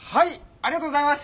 ありがとうございます